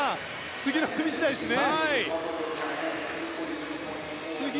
次の組次第ですね。